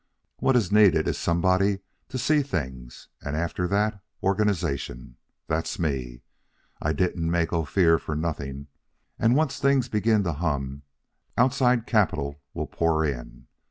What is needed is somebody to see things, and, after that, organization. That's me. I didn't make Ophir for nothing. And once things begin to hum, outside capital will pour in.